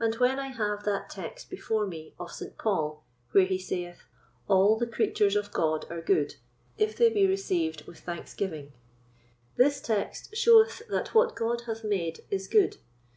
As when I have that text before me of St. Paul, where he saith, "All the creatures of God are good, if they be received with thanksgiving." This text showeth that what God hath made is good.